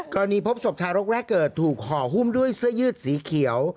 พบศพทารกแรกเกิดถูกห่อหุ้มด้วยเสื้อยืดสีเขียว